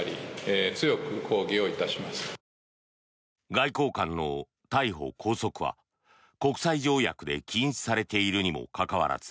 外交官の逮捕・拘束は国際条約で禁止されているにもかかわらず